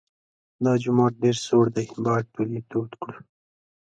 دا جومات ډېر سوړ دی باید ټول یې تود کړو.